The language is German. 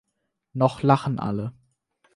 Noch lachen alle.